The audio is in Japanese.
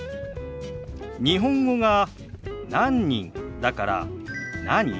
日本語が「何人」だから「何？」